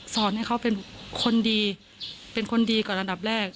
สอนให้เขาเป็นคนดีเป็นคนดีก่อนอันดับแรก